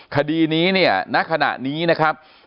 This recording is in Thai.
คดีนี้เนี่ยณขณะนี้นะครับ